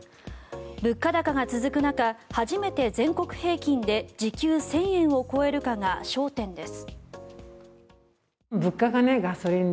物価高が続く中初めて全国平均で時給１０００円を超えるかが焦点です。